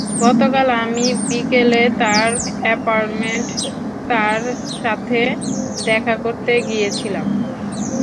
গতকাল, আমি বিকেলে তার অ্যাপার্টমেন্টে তার সাথে দেখা করতে গিয়েছিলাম।